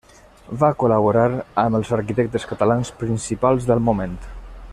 Va col·laborar amb els arquitectes catalans principals del moment.